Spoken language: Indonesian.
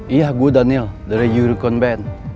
iya gue daniel dari juricon band